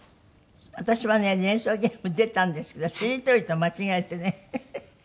私はね『連想ゲーム』出たんですけどしりとりと間違えてね私。